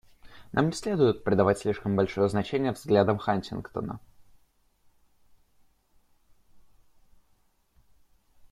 Нам не следует придавать слишком большое значение взглядам Хантингтона.